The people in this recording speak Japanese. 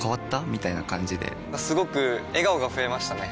みたいな感じですごく笑顔が増えましたね！